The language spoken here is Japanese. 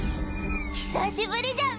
久しぶりじゃん